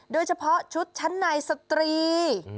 โดยเฉพาะชุดชั้นในสตรี